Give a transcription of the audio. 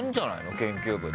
『研究部』で。